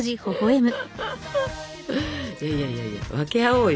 いやいやいやいや分け合おうよ。